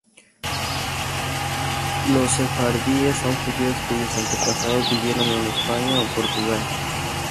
Los Sefardíes son Judíos cuyos antepasados vivieron en España o Portugal.